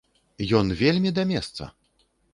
Ён вельмі да месца!